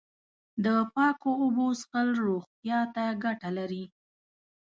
د پاکو اوبو څښل روغتیا ته گټه لري.